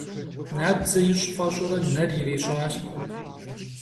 Nabdze yiş' f'eş'ure ner yiriş'aş.